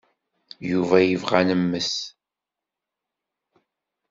Yuba yebɣa ad nemmet.